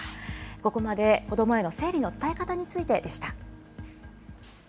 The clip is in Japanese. ここまで子どもへの生理の伝え方についてでした。